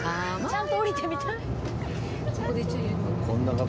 ちゃんと降りて見たい。